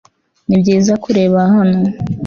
nibyiza kureba hano